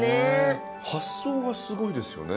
発想がすごいですよね。